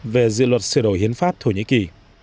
về dự luật sửa đổi hiến pháp thổ nhĩ kỳ